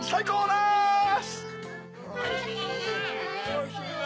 おいしいね！